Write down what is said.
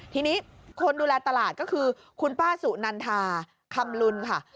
ทีนี้คนดูแลตลาดก็คือคุณป้าสุนันทาคำลุนค่ะ